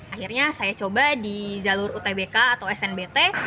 akhirnya saya coba di jalur utbk atau snbt